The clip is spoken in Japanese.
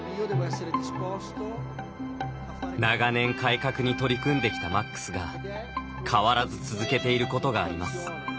長年、改革に取り組んできたマックスが変わらず続けていることがあります。